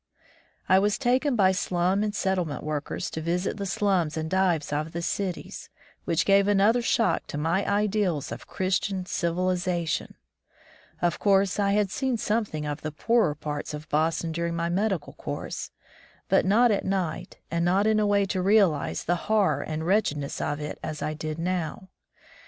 I was taken by slum and settlement workers to visit the slums and dives of the cities, which gave another shock to my ideals of "Christian civilization/' Of course, I had seen some thing of the poorer parts of Boston during my medical course, but not at night, and not in a way to realize the horror and wretchedness of it as I did now.